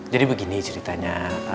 jadi begini ceritanya